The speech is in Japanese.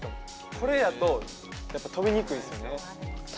これやと跳びにくいですよね。